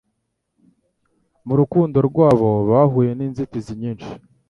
mu rukundo rwabo bahuye n'inzitizi nyinshi